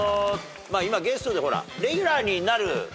今ゲストでほらレギュラーになる。